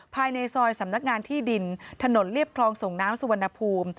ภายในซอยสำนักงานที่ดินถนนเรียบคลองส่งน้ำสุวรรณภูมิ